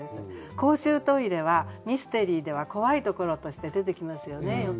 公衆トイレはミステリーでは怖いところとして出てきますよねよく。